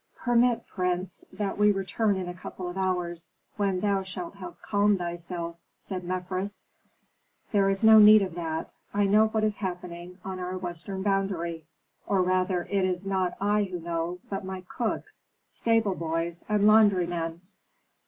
"Permit, prince, that we return in a couple of hours, when thou shalt have calmed thyself," said Mefres. "There is no need of that. I know what is happening on our western boundary. Or rather it is not I who know, but my cooks, stable boys, and laundrymen.